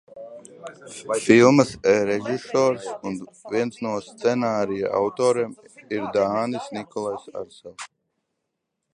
Filmas režisors un viens no scenārija autoriem ir dānis Nikolajs Arsels.